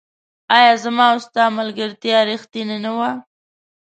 آيا زما او ستا ملګرتيا ريښتيني نه وه